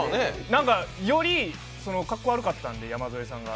何かよりかっこ悪かったんで、山添さんが。